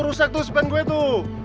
rusek tuh sepen gue tuh